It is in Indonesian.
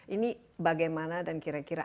ini bagaimana dan kira kira